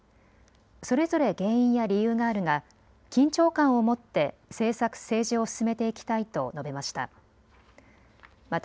それぞれ原因や理由があるが緊張感を持って政策・政治を進めていきたいと述べました。